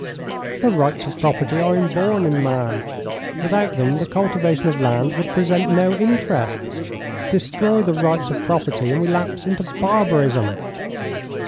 "The rights of property are inborn in man; without them the cultivation of land would present no interest. Destroy the rights of property and we lapse into barbarism."